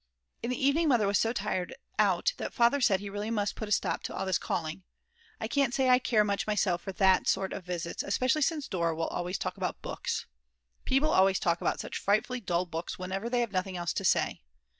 In the evening Mother was so tired out that Father said he really must put a stop to all this calling; I can't say I care much myself for that sort of visits, especially since Dora always will talk about books. People always talk about such frightfully dull books whenever they have nothing else to say.